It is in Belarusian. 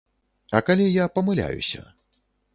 А калі я памыляюся?